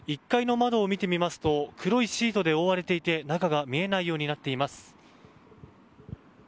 １階の窓を見てみますと黒いシートで覆われていて中が見えないようになっています。